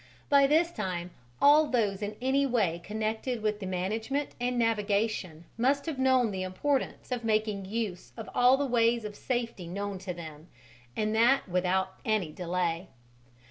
By this time all those in any way connected with the management and navigation must have known the importance of making use of all the ways of safety known to them and that without any delay.